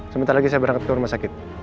sebentar lagi saya berangkat ke rumah sakit